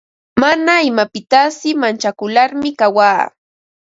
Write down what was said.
Mana imapitasi manchakularmi kawaa.